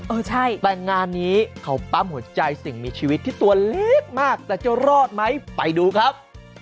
เออใช่แต่งานนี้เขาปั๊มหัวใจสิ่งมีชีวิตที่ตัวเล็กมากแต่จะรอดไหมไปดูครับ